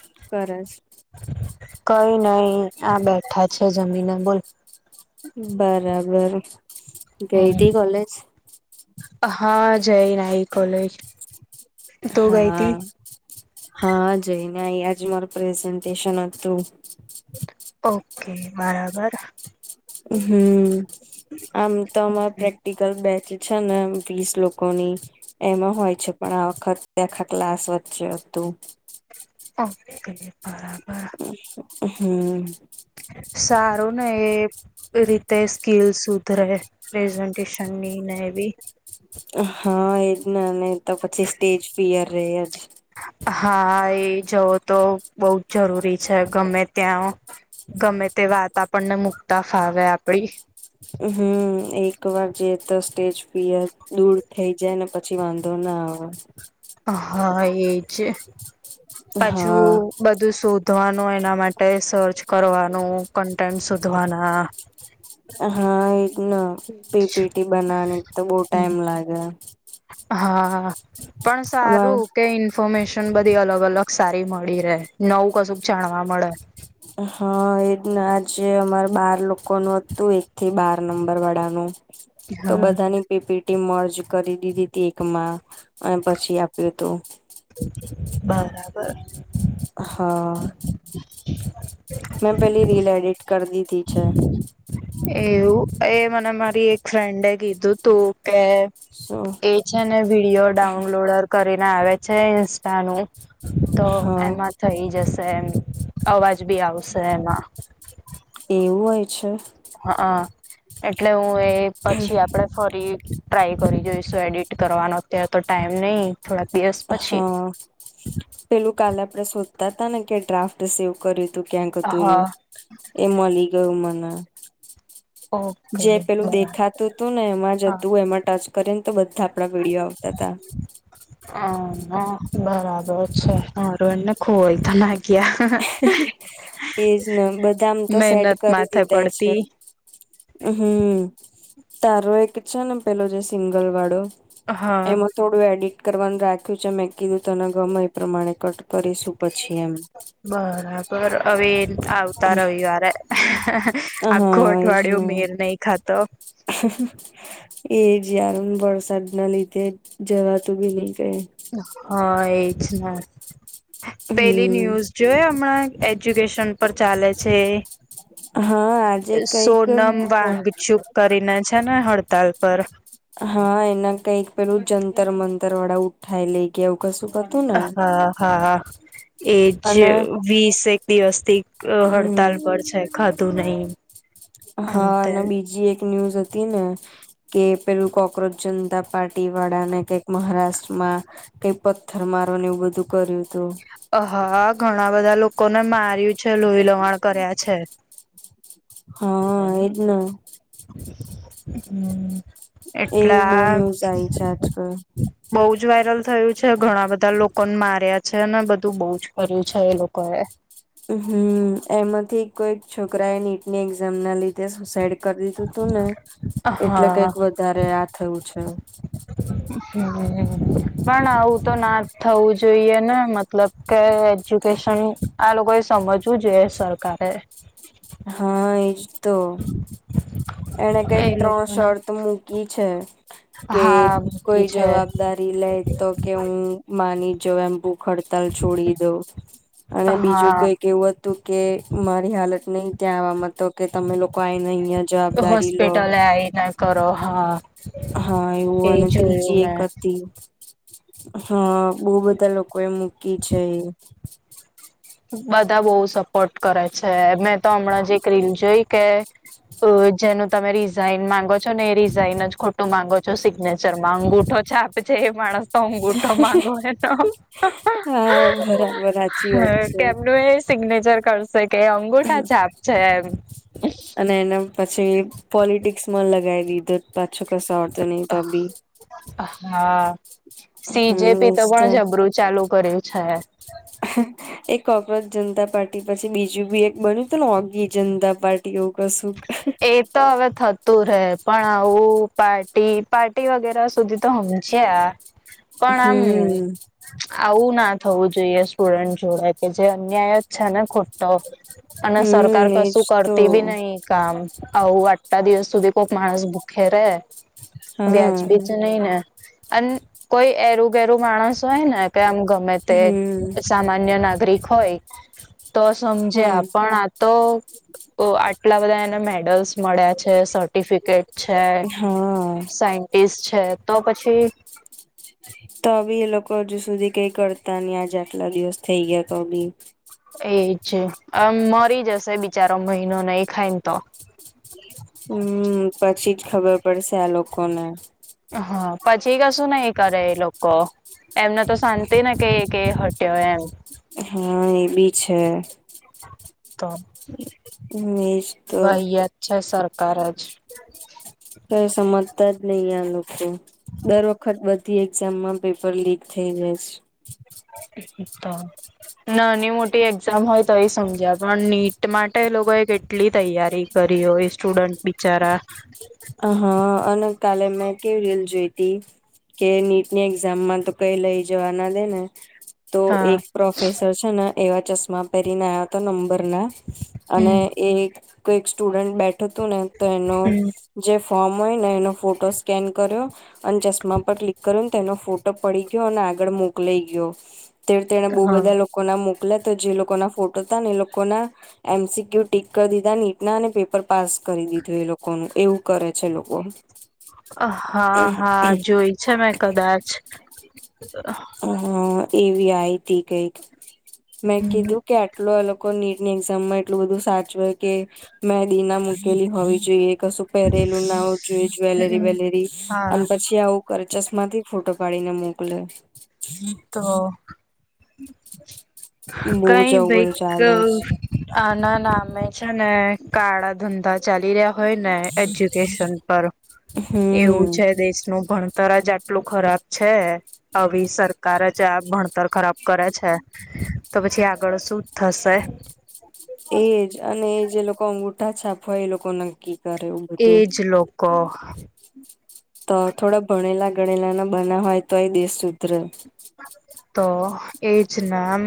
શું કરૃ છે.? કઈ નહી આ બેઠા છે જમીન બોલ? બરાબર ગઈ હમ હતી કોલેજ? હા જય નાઈ કોલેજ. તું ગઈ તી હા હા જઈને, અયા જ માર પ્રેઝન્ટેશન હતું. ઓકે બરાબર હમ આમ તો અમારે પ્રેક્ટિકલ બેચ છે ને વીસ લોકોની એમાં હોય છે. પણ આ વખત આખા ક્લાસ વચ્ચે હતું. ઓકે બરાબર હમ સારું ને એ રીતે સ્કીલ સુધરે પ્રેઝન્ટેશન ની ને એવી. હા એજ ના નહી તો પછી સ્ટેજ પિયર રે જ. હા એ જવો તો બહ જ જરૂરી છે. ગમે ત્યાં ગમે તે વાત આપણને મુકતા ફાવે આપડી. હમ એક વાર જે તો સ્ટેજ ફિયર દૂર થઈ જાય ને પછી પછી વાંધો ના આવે. હા એજ પાછું હા બધું શોધવાનું એના માટે સર્ચ કરવાનુ કન્ટેન્ટ શોધવાના હ હા એજ ન પી પેટી બનાવવાની તો બહ ટાઈમ લાગે હા પણ સારુ અમાર કે ઇન્ફોમેશન બધી અલગ અલગ સારી મળી રહે નવુ કશુક જાણવા મળે હા એજ ના આજે અમાર બાર લોકોનું હતુ, એક થી બાર નંબર વાળાનુ તો હા બધાની પીપીટી મર્જ કરી દીધી હતી એકમાં અને પછી આપ્યું હતુ. બરાબર હા હ મે પેલી રીલ એડિટ કરી દીધી છે. એવું એ મને મારી એક ફ્રેન્ડ એ કીધુ તુકે શું એ છેને, વિડીિયો ડાઉનલોડ કરીને આવે છે ઇન્સ્ટાનુ તો હા એમા થઈ જશે એમ અવાજ બી આવશે એમા એવુ હોય છે. હા એટલે હુએ, પછી આપડે ફરી ટ્રાય કરી જોઈશુ, એડિટ કરવાનો અત્યારે તો ટાઈમ નહી થોડાક દિવસ પછી હા પેલુ કાલે આપણેે શોધતા હતાા, ને કે ડ્રાફ્ટ સેવ કર્યુ તુ ક્યાક અતુર્યુ હા એ મળી ગયુ મને જે ઓકે પેલું બરાબર દેખાતુ હતુ, ને એમાં જ હા હતુ એમાં ટચ કરી ને તો બધા આપડા ભીડીયો આવતા હતા. હ બરાબર છે, મારુ એને ખોય તો ના ગયા એજ ને બધામ તો સેટ મહેનત કરી માથે દીધા છે. પડતી હમ તારો એક છેને, પેલો જે સિંગલ વાળો હા એમાં થોડું એડિટ કરવાનુ રાખ્યુ છેમે, કીધુ, તને ગમે એ પ્રમાણે કટ કરીશું પછી એમ બરાબર હવે આવતા રવિવારે આખું હા અઠવાડિયુ મેર નહી ખાતો એ જ યાર વરસાદ ના લીધે જવાતું બી નહી કહે હા એજ પેલી હમ ન્યૂઝ જો એ હમણાં એજ્યુકેશન પર ચાલે છે. હા આજે કઈક સોનમ વાગચૂક કરીને છે ને હડતાલ પર હા એના કઈક પેલુ જતર મતર વાળા ઉઠાઈ લઈ ગયા એવું કશુ હતુ ને હા હા એજ અને વીસેક દિવસ થી હડતાલ હમ પર છે. ખાધુ નહી આમ હા અને તેમ બીજી એક ન્યૂઝ હતી, ને કે પેલુ કોક્રોચ જનતા પાર્ટ વાળા ને કઈક મહારાષ્ટ્રમા કઈ પથ્થર મારવાને એવુ બધુ કર્યુ હતુ. અ હા ઘણા બધા લોકોને માર્યુ છે, લોહી લવાણ કર્યા છે. હા એજ હમ એ બહુ એટલા ન્યૂઝ આવી છે આજકાલ બઉુ જ વાયરલ થયુ છે, ઘણા બધા લોકોને માર્યા છે ને બધું બહુ જ કર્યુ છે, એ લોકો એ હમ એમાંથી કોઈ છોકરા, એ નીટની એક્ઝામના લીધે સુસાઈડ કરી દીધું તું ને એટલે હા. કંઈક વધારે આ થયું છે. હા પણ આવું તો ના થવું જોઈએ ને મતલબ કે, એજ્યુકેશન આ લોકો એ સમજવું જોઈએ સરકારે, હા એજ તો એને કંઈક ત્રણ શર્ત મૂક, છે કે હા મૂકી કોઈ છે જવાબદારી, લે તો કે હું માની જાઉ અને ભુખહડતાલ છોડી દઉં, અને બીજું હા કઈક એવું હતું કે મારી હાલત નહી, ત્યાં આવામાં તો કે તમે લોકો આઈને અહં, હોસ્પિટલ આવી ના કરો હા, હા એવું એ અને જોયું ત્રીજી એક, મેં હા બહુ બધા લોકો એ મૂકી છે. બધા બહુ સપોર્ટ કરે છે મેં તો હમણાં જે રીલ જોઈ કે, જેનું તમે રિઝાઈન માંગો છો ને એ રિઝાઇન જ ખોટું માંગો છો સિગ્નેચરમાં અંગુઠો છાપ, છે માણસ, અંગુઠો માંગુ હા બરાબર સાચી વાત હા, છે એ સિગ્નેચર કરશે કે અંગુઠા છાપ છે એવું, અને, પછી પોલિટિક્સમાં લગાવી, પાછો કશું આવડતા નહી તો પણ, હા સીજેપી તો પણ જબરૂું ચાલુ કર્યું છે. હા. એક કોકરોજ જનતા પાર્ટી પછી બીજું પણ એક બન્યું હતુંને ઓઘી જનતા પાર્ટી એવું કશું. એ તો હવે થતું રહેે પણ આવું પાર્ટી વગેરે સુધી, તો સમજ્યા પણ આમ હમ આવું ના, થવું જોઈએ સ્ટુડન્ટ જોડે કે જે અન્યાય જ છે ને ખોટો. અને સરકાર હમ એજ કશું તો કરતી પણ નહી. કામ આવું આટલા દિવસ સુધી કોઈક માણસ ભૂખે રહે, વ્યાજબી હા જ નહીં ને. અને કોઈ એરું ઘેરું માણસ હોય ને કે આમ ગમે તે, હમ સામાન્ય નાગરિક હોય તો સમજે હા આ તો, ઓ આટલા બધા એને મેડલ્સ મળ્યા છે સર્ટિફિકેટ, છે હા સાયન્ટિસ્ટ છે તો પછી, તો પણ એ લોકો હજુ સુધી કશું કરતા નહી આજે આટલા દિવસ થઈ ગયા તો પણ, એ છે આમ મરી જશે બિચારો મહિનો ને એ ખાઈ ને તો. હમ પછી જ ખબર પડશે આ લોકોને. હા પછી કશું નહી કરે એ લોકો. એમને તો શાંતિ ને કે હટ્યોય એવું. હા એ પણ છે. તો એજ તો, વાહિયાત છે સરકાર જ. કઈ સમજતા જ નહી આ લોકો. દર વખત બધી એક્ઝામમાં પેપર લીક થઇ જાય છે. તો. નાની મોટી એક્ઝામ હોય તો એ સમજ્યા પણ નીટ માટે એ લોકોએ કેટલી તૈયારી, કરીયો એ સ્ટુડન્ટ બિચારા. હા અને કાલે મેં કેવી રીલ જોઈતી. કે નીટની એક્ઝામમાં તો કઈ લઈ જવાના દે ને. તો હા એક પ્રોફેસર છે ને એવા ચશ્મા પહેરીને આવયા તો નંબર ના. અને હમ એ કોઈ સ્ટુડન્ટ બેઠો હતું ને તો એનો હમ જે ફોર્મ હોય ને એનો ફોટો સ્કેન કર્યો. અને ચશ્મા પર ક્લિક કરીને તેનો ફોટો પડી ગયો અને આગળ મોકલાઈ ગયો. તે તેને બહુ હા. બધા લોકો ના મોકલ્યા તો જે લોકોના ફોટો ત ને એ લોકોના. એમસીક્યુ ટીક કરી દીધા નીટના અને પેપર પાસ કરી દીધું એ લોકોનું એવું કરે છે લોકો. હા હા જોઈ છે મેં કદાચ. હા એવી આય તી ગઈ, મેં હમ કીધું કે એટ એ લોકો નીટ ની એક્ઝામ માં એટલું બધું સાચવેય કે મેદી ના મૂકેલી હોવી જોઈએ કશું પહેરેલું નાવું જોઈએ જ્વેલેરી હમ વેલેરી, અને હા પછી ત્યા આવું કરે ચશ્માથી ફોટો પાડીને મોકલે. તો, બહુ કઈ જ આવું ભાઈક બધું ચાલે આ ના નામે છે ને કાળા ધંધા ચાલી રહ્યા હોય ને એજ્યુકેશન પર. એવું હમ છે દેશનું ભણતર જ આટલું ખરાબ છે, આવી કરે છે આ ભણતર ખરાબ કરે છે, તો પછી આગળ શું જ થશે. એજ અને એ જે લોકો અંગુઠા છાપ હોય એ લોકો નક્કી કરે એવું બધું એજ લોકો. તો થોડા ભણેલા ગણેલા ના બના હોય તો એ દેશ સુધરે. તો એજ નામ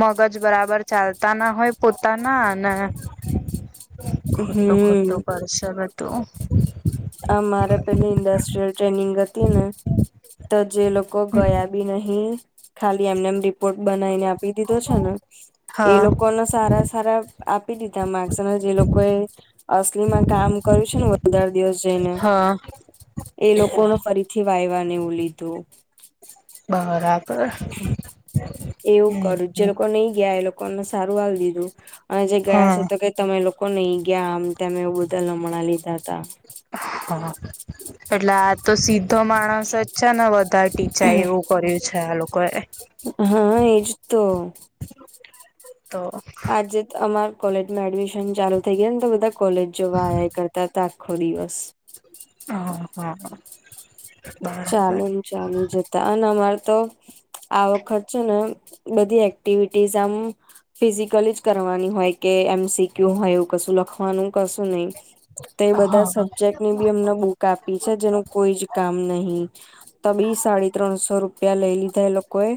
મગજ બરાબર ચાલતા ના હોય પોતાના અને ખોટો હમ ખોટો કરશવા તો. આ મારે પેલી ઇન્ડસ્ટ્રીયલ ટ્રેનિંગ હતી ને, તો જે લોકો ગયા બી નહી, ખાલી એમને એમ રિપોર્ટ બનાને આપી દીધો છે ને. એ હા લોકોને સારા સારા આપી દીધા માર્ક્સને જે લોકો એ અસલી માં કામ કર્યું છે ને. દિવસ જઈને, હા એ લોકો ન ફરીથી વાયવાને એવું લીધું. બરાબર એવું કરું જે લોકો નહી ગયા એ લોકો ને સારું આવી દીધું, અને જે ગયા હા છે તો ક તમે લોકો નઈ ગયા આમ તેમમે એવું બધા હમણાં લીધા હતા. હ એટલે તો સીધો માણસ જ છે ને વધારે ટીચાય એવું કર્યું છે આ લોકો એ. હા એજ તો. તો આજે અમાર કોલેજમાં એડમિશન ચાલુ થઈ ગયા ને તો બધા કોલેજ જોવા આ કરતા હતા. ખો દિવસ. હહા, હ બ ચાલુ ને ચાલુ જતા અને અમારે તો આ વખત છે ને બધી એક્ટિવિટીસ આમ ફિઝિકલી જ કરવાની હોય કે એમસીક્યુ હોય એવું કશું લખવાનું કશું નહી. તો એ બધા હા સબ્જેક્ટની બી અમને બુક આપી છે જેનું કોઈ જ કામ નહી. ત બી સાડી ત્રણસો રૂપિયા લઈ લીધા એ લોકોએ.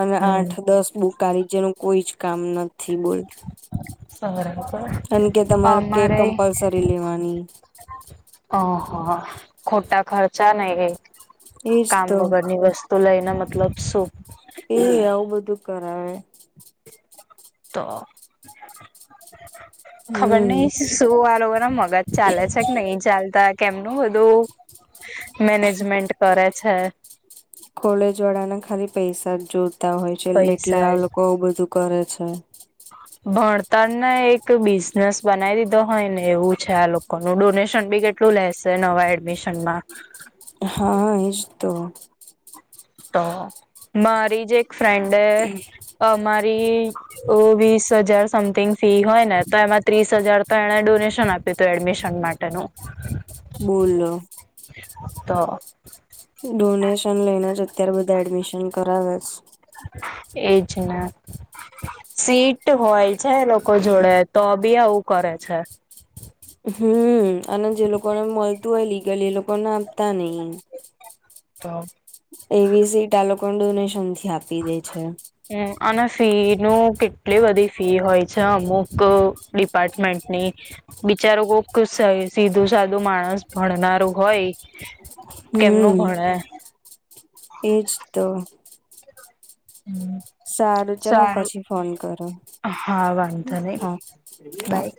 અને હમ આઠ દસ બુકારી જેનું કોઈ જ કામ નથી બોલતી. સરે. કાર કે તમારે કેક કમ્પલસરી લેવાની. ઓહ ખોટા ખર્ચા ને એ. એજ કામ તો વગર ની વસ્તુ લઈને મતલબ શું.? એ આવું બધું કરાવે. તો ખબર હમ નહી. શું આરો ના મગજ ચાલે છે કે નહી ચાલતા કેમનું બધું.? મેનેજમેન્ટન્ટ કરે છે. કોલેજ વાળાને ખાલી પૈસા જ જોતા હોય છે એટલે પૈસા આ જ લોકો આવું બધું. કરે છે. ભણતર ને એક બિઝનેસ બનાવી દીધો હોય ને એવું છે આ લોકો. નું ડોનેશન બી કેટલું લેશે નવા એડમિશન માં. હા એજ તો. તો મારી જ એક ફ્રેન્ડે અમારી ઓ વીસ હજાર સમથિંગ ફી હોય ને તો એમાં ત્રીસ હજાર તો એણેને ડોનેશન આપ્યું. એડમિશન માટે ને બોલલો. તો. ડોનેશન લઈને જ અત્યારે બધા એડમિશન કરાવે છે. એજ સીટ. હોય છે લોકો જોડે તો બી આવું કરે છે. હમ અને જે લોકોને મળતું હોય લીગલ એ લોકોને આપતા નહી. તો. એવી સીટ આલોકોન ડોનેશન થી આપી દે છે. હમ અને ફી ન કેટલી બધી ફી હોય છે અમુક તો ડિપાર્ટમેન્ટની.? બિચારો કોક સીધું સાધું માણસ ભણનારું હોય કેમનું હમ ભણેે. એજ તો. સારું ચાલો સારું પછી ફોન કરો હા વાંધો નહી હા હા. બાય